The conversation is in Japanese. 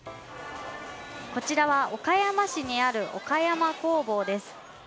こちらは、岡山市にあるおかやま工房です。